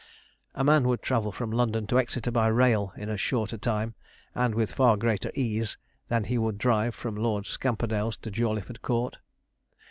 A man would travel from London to Exeter by rail in as short a time, and with far greater ease, than he would drive from Lord Scamperdale's to Jawleyford Court.